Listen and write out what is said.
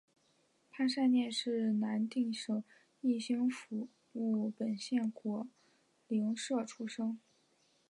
潘善念是南定省义兴府务本县果灵社出生。